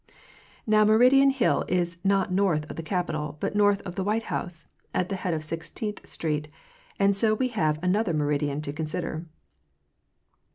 Now Meridian hill is not north of the Capitol, but north of the White House, at the head of Sixteenth street, and so we have another meridian to consider.